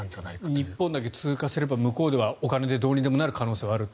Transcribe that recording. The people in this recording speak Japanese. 日本だけ通過すれば向こうではお金でどうにでもできる可能性があると。